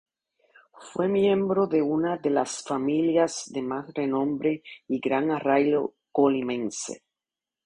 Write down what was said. Fue miembro de una de las familias de más renombre y gran arraigo colimense.